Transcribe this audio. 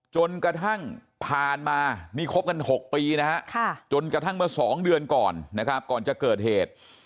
จนกระทั่งผ่านมานี่คบกัน๖ปีนะฮะจนกระทั่งเมื่อ๒เดือนก่อนนะครับก่อนจะเกิดเหตุ